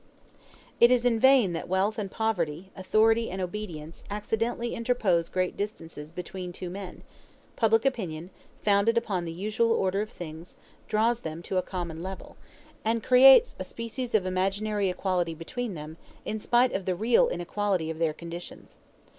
It is in vain that wealth and poverty, authority and obedience, accidentally interpose great distances between two men; public opinion, founded upon the usual order of things, draws them to a common level, and creates a species of imaginary equality between them, in spite of the real inequality of their conditions.